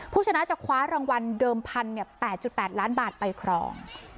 ผู้ชนะจะคว้ารางวัลเดิมพันธุ์เนี้ยแปดจุดแปดล้านบาทไปครอง